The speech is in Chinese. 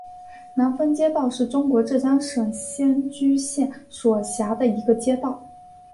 南峰街道是中国浙江省仙居县所辖的一个街道。